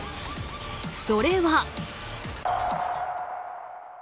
それは。